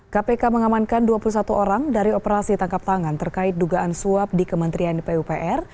kpk mengamankan dua puluh satu orang dari operasi tangkap tangan terkait dugaan suap di kementerian pupr